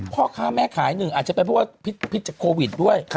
พ่อค้าแม่ขายหนึ่งอาจจะเป็นเพราะว่าพิษจากโควิดด้วย